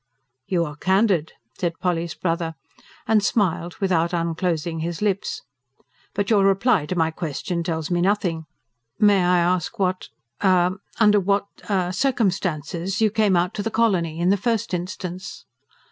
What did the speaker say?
"You are candid," said Polly's brother, and smiled without unclosing his lips. "But your reply to my question tells me nothing. May I ask what ... er ... under what ... er ... circumstances you came out to the colony, in the first instance?"